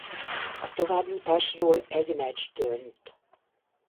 A továbbjutásról egy meccs dönt.